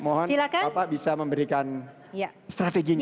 mohon bapak bisa memberikan strateginya